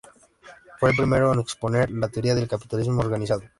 Fue el primero en exponer la teoría del capitalismo organizado.